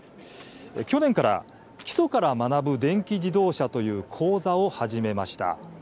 去年から基礎から学ぶ電気自動車という講座を始めました。